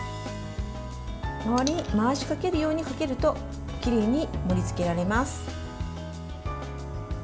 周りに回しかけるようにかけるときれいに盛りつけられます。